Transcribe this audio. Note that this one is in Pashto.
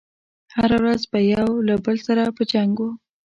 هره ورځ به يو له بل سره په جنګ و.